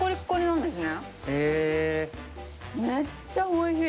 めっちゃおいしい！